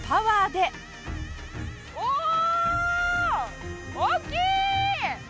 おお大きい！